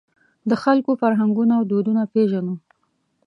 د خلکو فرهنګونه او دودونه پېژنو.